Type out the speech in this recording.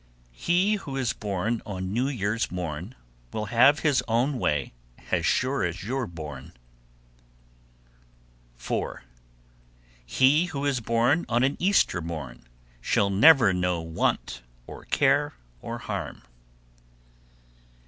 3. He who is born on New Year's morn Will have his own way as sure as you're born. 4. He who is born on an Easter morn Shall never know want, or care, or harm.